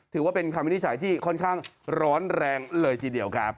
ถือว่าเป็นคำวินิจฉัยที่ค่อนข้างร้อนแรงเลยทีเดียวครับ